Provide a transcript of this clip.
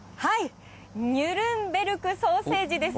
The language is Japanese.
ニュルンベルク・ソーセージです。